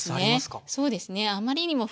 そうですね。